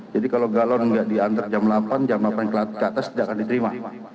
jadi kalau galon nggak diantar jam delapan jam delapan ke atas tidak akan diterima